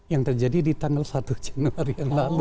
yang terjadi di tanggal satu januari yang lalu